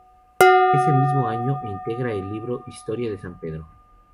Ese mismo año integra el libro "Historia de San Pedro"'.